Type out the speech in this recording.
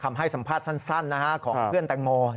ให้สัมภาษณ์สั้นของเพื่อนแตงโม